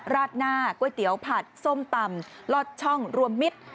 ราดหน้าก๋วยเตี๋ยวผัดส้มตำลอดช่องรวมมิตร